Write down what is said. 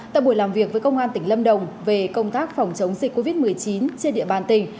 tại buổi làm việc với công an tỉnh lâm đồng về công tác phòng chống dịch covid một mươi chín trên địa bàn tỉnh